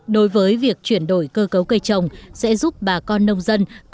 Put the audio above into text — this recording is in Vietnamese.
đối với việc chuyển đổi cơ cấu cây trồng sẽ giúp bà con nông dân